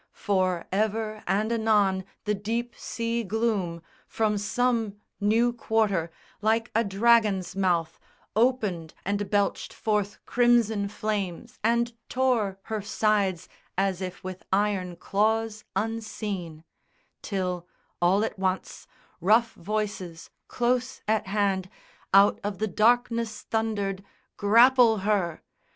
For ever and anon the deep sea gloom From some new quarter, like a dragon's mouth Opened and belched forth crimson flames and tore Her sides as if with iron claws unseen; Till, all at once, rough voices close at hand Out of the darkness thundered, "Grapple her!"